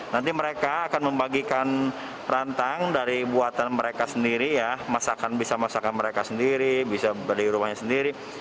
nanti mereka akan membagikan rantang dari buatan mereka sendiri ya masakan bisa masakan mereka sendiri bisa dari rumahnya sendiri